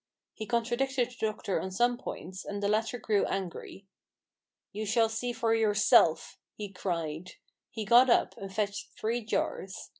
He contradicted the doctor on some points, and the latter grew angry. "You shall see for yourself!' he cried. He got up, and fetched three jars.